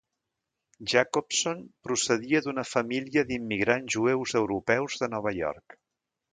Jacobson procedia d'una família d'immigrants jueus europeus de Nova York.